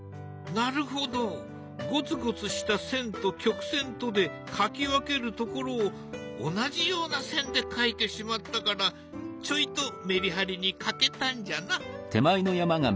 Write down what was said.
なるほどごつごつとした線と曲線とで描き分けるところを同じような線で描いてしまったからちょいとメリハリに欠けたんじゃな。